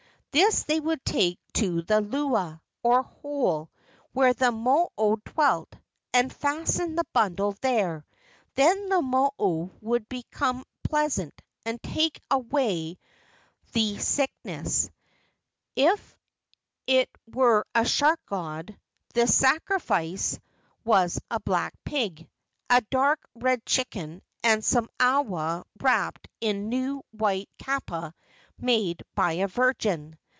This they would take to the lua, or hole, where the mo o dwelt, and fasten the bundle there. Then the mo o would become pleasant and take away the AUMAKUAS, OR ANCESTOR GHOSTS 253 sickness. If it were a shark god, the sacrifice was a black pig, a dark red chicken, and some awa wrapped in new white kapa made by a virgin.